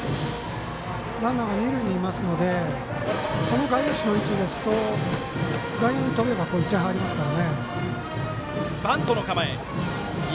ランナーは、二塁にいますのでこの外野手の位置ですと外野に飛べば１点入りますから。